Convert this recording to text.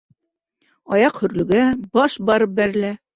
Аяҡ һөрлөгә, баш барып бәрелә.